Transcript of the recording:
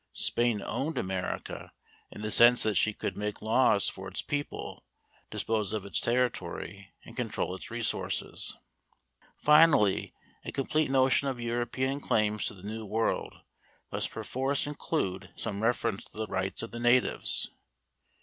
Spain "owned" America in the sense that she could make laws for its people, dispose of its territory, and control its resources. Finally, a complete notion of European claims to the New World must perforce include some reference to the rights of the natives.